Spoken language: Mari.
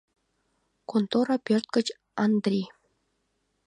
Контора пӧрт гыч Андри.